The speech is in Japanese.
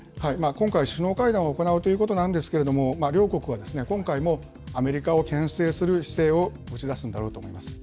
今回、首脳会談を行うということなんですけれども、両国は今回もアメリカをけん制する姿勢を打ち出すんだろうと思います。